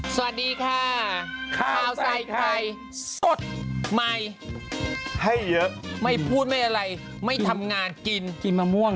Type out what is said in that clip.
สวัสดีค่ะข้าวใส่ไข่สดใหม่ให้เยอะไม่พูดไม่อะไรไม่ทำงานกินกินมะม่วง